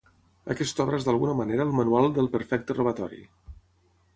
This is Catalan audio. Aquesta obra és d'alguna manera el manual del perfecte robatori.